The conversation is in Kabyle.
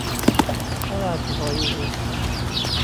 Ad ɛejbeɣ Yugurten.